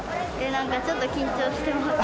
なんかちょっと緊張してます。